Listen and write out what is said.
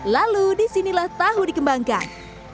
lalu disinilah tahu dikembangkan